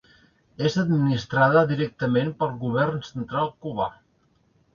És administrada directament pel govern central cubà.